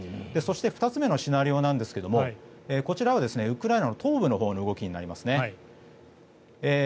そして２つ目のシナリオですがこちらはウクライナの東部のほうの動きになりますね。